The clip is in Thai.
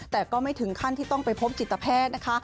แต่ก็ไม่ถึงขั้นที่ต้องไปพบจิตแพทย์นะคะ